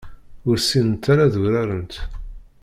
Ur ssinent ara ad urarent.